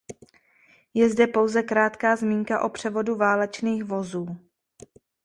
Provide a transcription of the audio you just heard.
Je zde pouze krátká zmínka o převodu válečných vozů.